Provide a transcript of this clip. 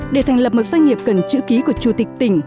để thành lập một doanh nghiệp cần chữ ký của chủ tịch tỉnh